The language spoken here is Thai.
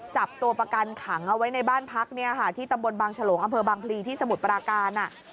จับตัวประกันขังเอาไว้ในบ้านพักที่ตำบลบางฉลงอำเภอบางพลีที่สมุทรปราการ